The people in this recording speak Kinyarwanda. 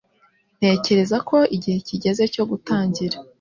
Ntekereza ko igihe kigeze cyo gutangira